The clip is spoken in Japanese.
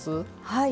はい。